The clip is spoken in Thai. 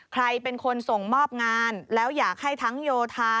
ใครเป็นคนส่งมอบงานแล้วอยากให้ทั้งโยธา